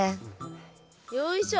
よいしょ。